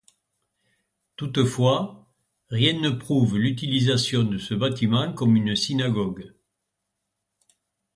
Toutefois, rien ne prouve l'utilisation de ce bâtiment comme une synagogue.